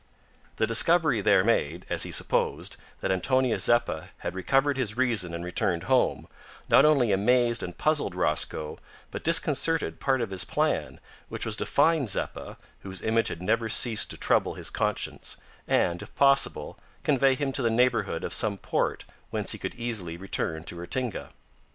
The discovery there made, as he supposed, that Antonio Zeppa had recovered his reason and returned home, not only amazed and puzzled Rosco, but disconcerted part of his plan, which was to find Zeppa, whose image had never ceased to trouble his conscience, and, if possible, convey him to the neighbourhood of some port whence he could easily return to Ratinga.